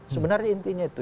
sebenarnya intinya itu